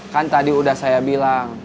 kan tadi udah saya bilang